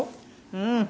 うん。